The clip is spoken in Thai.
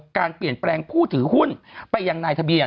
การเปลี่ยนแปลงผู้ถือหุ้นไปยังนายทะเบียน